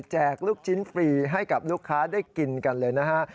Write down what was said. ลูกชิ้นฟรีให้กับลูกค้าได้กินกันเลยนะฮะ